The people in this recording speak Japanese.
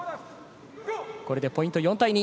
これでポイント４対２。